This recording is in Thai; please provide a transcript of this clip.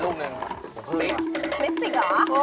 ดูแน๊บเสียง